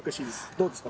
どうですか？